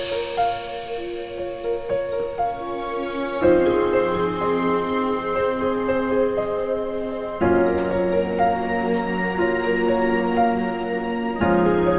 buat dia bercanda